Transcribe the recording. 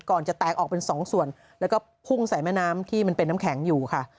จะแตกออกเป็นสองส่วนแล้วก็พุ่งใส่แม่น้ำที่มันเป็นน้ำแข็งอยู่ค่ะ